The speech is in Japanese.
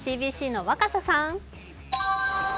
ＣＢＣの若狭さん。